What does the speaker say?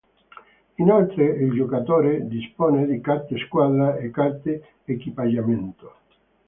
Inoltre, il giocatore dispone di carte squadra e carte equipaggiamento.